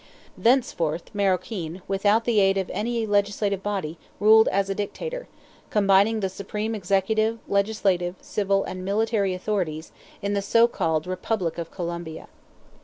Thenceforth Maroquin, without the aid of any legislative body, ruled as a dictator, combining the supreme executive, legislative, civil, and military authorities, in the so called Republic of Colombia.